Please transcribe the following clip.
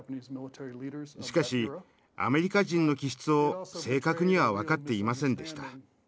しかしアメリカ人の気質を正確には分かっていませんでした。